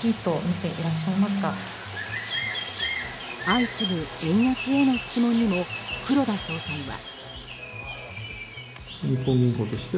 相次ぐ円安への質問にも黒田総裁は。